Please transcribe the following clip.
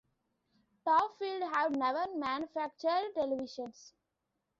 Topfield have never manufactured televisions.